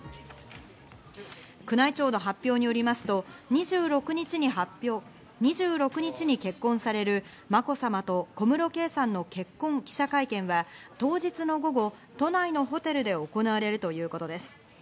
宮内庁の発表によりますと、２６日に結婚される、まこさまと小室圭さんの結婚記者会見は当日の午後、都内のホテルで行われるということです。